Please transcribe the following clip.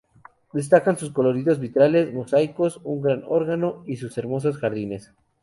Destacan sus coloridos vitrales, mosaicos, un gran órgano y sus hermosos jardines.